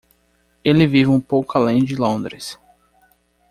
Ele vive um pouco além de Londres.